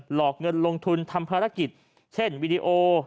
หลอกเงินลงทุนทำภารกิจเช่นวิดีโอ